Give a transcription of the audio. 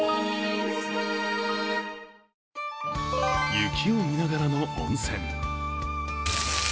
雪を見ながらの温泉。